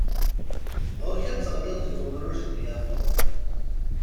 Ɣur-k ad teɣliḍ deg urmuj-nni a Tom!